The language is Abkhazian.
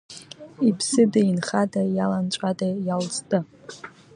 Иԥсыда, инхада, иаланҵәада, иалҵда?!